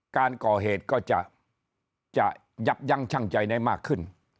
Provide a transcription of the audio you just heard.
การก่อเหตุก็จะยับยั้งชั่งใจได้มากขึ้น